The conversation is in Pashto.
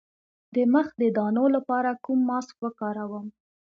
د مخ د دانو لپاره کوم ماسک وکاروم؟